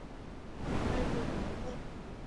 Ai vừa nói vậy